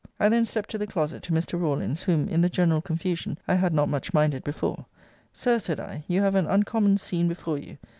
I then stept to the closet to Mr. Rawlins, whom, in the general confusion, I had not much minded before. Sir, said I, you have an uncommon scene before you.